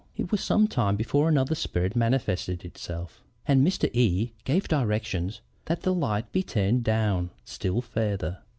"It was some time before another spirit manifested itself, and Mr. E gave directions that the lights be turned down still further.